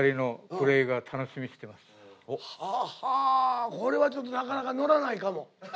ははあこれはちょっとなかなか乗らないかも。